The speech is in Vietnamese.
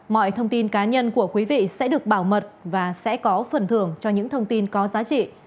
mọi thông tin cá nhân của quý vị sẽ được bảo mật và sẽ có phần thưởng cho những thông tin có giá trị